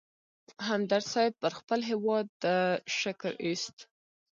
همدرد صیب پر خپل هېواد شکر اېست.